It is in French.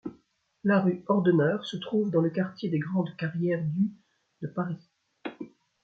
La rue Ordener se trouve dans le quartier des Grandes-Carrières du de Paris.